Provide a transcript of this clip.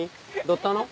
どったの？